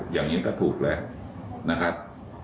อย่างนี้ก็ถูกแล้วนะครับ